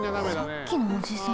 さっきのおじさん。